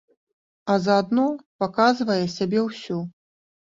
А заадно паказвае сябе ўсю.